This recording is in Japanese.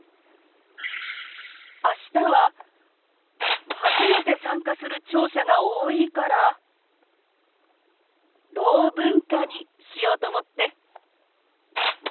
明日は初めて参加する聴者が多いから「ろう文化」にしようと思って。